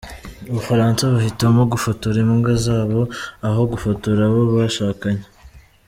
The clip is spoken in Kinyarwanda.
U Bufaransa Bahitamo gufotora imbwa zabo aho gufotora abo bashakanye